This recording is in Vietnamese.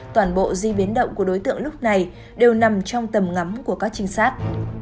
toàn bộ di biến động của đối tượng lúc này đều nằm trong tầm ngắm của các trinh sát